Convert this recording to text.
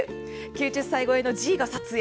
９０歳超えのじいが撮影。